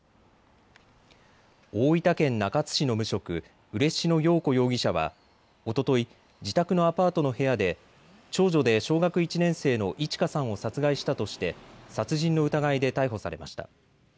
大分県中津市の無職、嬉野陽子容疑者はおととい自宅のアパートの部屋で長女で小学１年生のいち花さんを殺害したとして殺人の疑いで逮捕されました。